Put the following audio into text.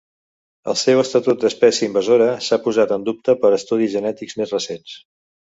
El seu estatut d'espècie invasora s'ha posat en dubte per estudis genètics més recents.